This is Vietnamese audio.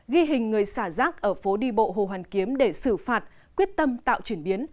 ghi hình người xả rác ở phố đi bộ hồ hoàn kiếm để xử phạt quyết tâm tạo chuyển biến